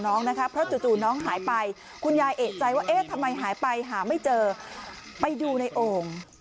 น้องก็จะไปวิ่งเล่นแถวนั้น